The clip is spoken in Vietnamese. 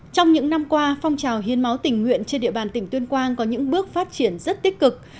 trong những năm qua phong trào hiến máu tình nguyện trên địa bàn tỉnh tuyên quang có những bước phát triển rất tích cực